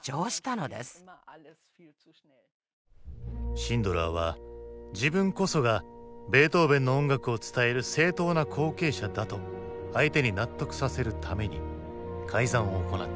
シンドラーは自分こそがベートーヴェンの音楽を伝える正統な後継者だと相手に納得させるために改ざんを行ったという。